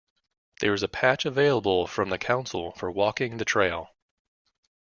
There is a patch available from the Council for walking the trail.